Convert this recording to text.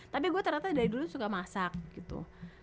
tapi gue ternyata dari dulu suka masak gitu